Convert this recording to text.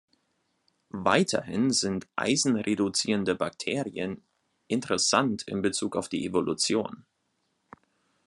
Weiterhin sind Eisen-reduzierende Bakterien interessant in Bezug auf die Evolution.